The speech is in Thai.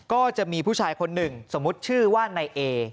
ก็จะมีผู้ชายคนหนึ่งสมมุติชื่อว่านายเอ